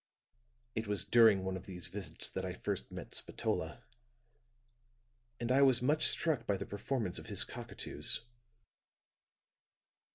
"It was during one of these visits that I first met Spatola; and I was much struck by the performance of his cockatoos.